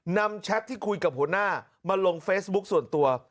แชทที่คุยกับหัวหน้ามาลงเฟซบุ๊คส่วนตัว